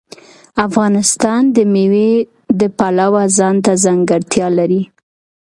افغانستان د مېوې د پلوه ځانته ځانګړتیا لري.